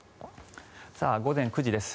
午前９時です。